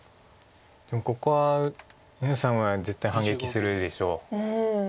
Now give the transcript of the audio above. でもここは上野さんは絶対反撃するでしょう。